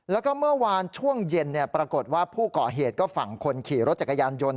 แล้วก็เมื่อวานช่วงเย็นปรากฏว่าผู้ก่อเหตุก็ฝั่งคนขี่รถจักรยานยนต์